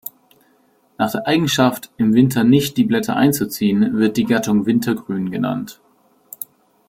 Nach der Eigenschaft, im Winter nicht die Blätter einzuziehen, wird die Gattung Wintergrün genannt.